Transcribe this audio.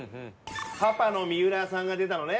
パパの三浦さんが出たのね